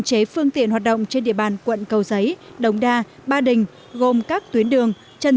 chế phương tiện hoạt động trên địa bàn quận cầu giấy đống đa ba đình gồm các tuyến đường trần